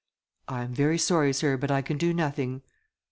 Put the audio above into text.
"I am very sorry, Sir, but I can do nothing."